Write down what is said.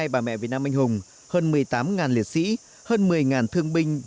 hai bà mẹ việt nam anh hùng hơn một mươi tám liệt sĩ hơn một mươi thương binh